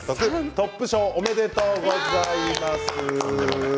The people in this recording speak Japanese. トップ賞おめでとうございます。